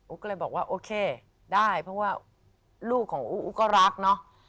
ก็เลยบอกว่าโอเคได้เพราะว่าลูกของอู๋ก็รักเนาะ